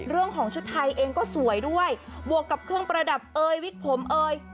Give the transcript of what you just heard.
ชุดไทยเองก็สวยด้วยบวกกับเครื่องประดับเอ่ยวิกผมเอ่ย